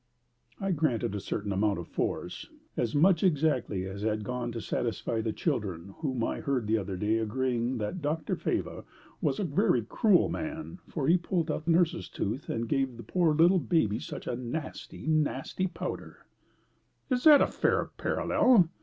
"I grant it a certain amount of force as much exactly as had gone to satisfy the children whom I heard the other day agreeing that Dr. Faber was a very cruel man, for he pulled out nurse's tooth, and gave poor little baby such a nasty, nasty powder!" "Is that a fair parallel?